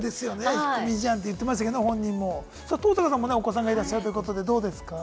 引っ込み思案と本人も言ってましたけれども登坂さんもお子さんいらっしゃるということで、どうですか？